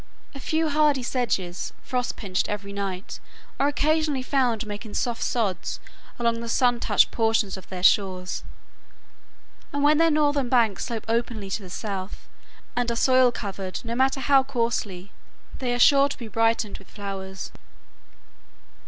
A few hardy sedges, frost pinched every night, are occasionally found making soft sods along the sun touched portions of their shores, and when their northern banks slope openly to the south, and are soil covered, no matter how coarsely, they are sure to be brightened with flowers.